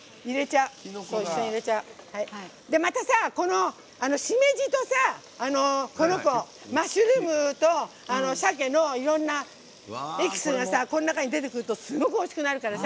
また、しめじとマッシュルームと鮭のいろんなエキスがこの中に出てくるとすごくおいしくなるからさ。